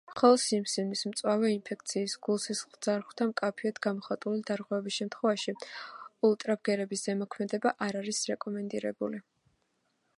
ხოლო სიმსივნის, მწვავე ინფექციის, გულ-სისხლძარღვთა მკაფიოდ გამოხატული დარღვევების შემთხვევაში ულტრაბგერის ზემოქმედება არ არის რეკომენდირებული.